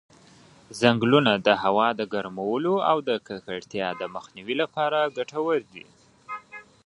ځنګلونه د هوا د ګرمولو او د ککړتیا د مخنیوي لپاره ګټور دي.